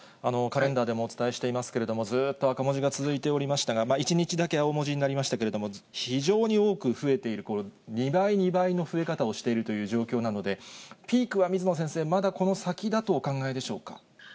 カレンダーでもお伝えしていますけれども、ずっと赤文字が続いておりましたが、１日だけ青文字になりましたけれども、非常に多く増えている、２倍、２倍の増え方をしているという状況なので、ピークは水野先生、まだこの先だとお考えでしょうか。